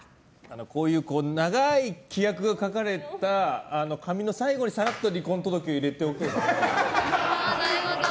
こういう長い規約が書かれた紙の最後にさらっと離婚届を入れておけば。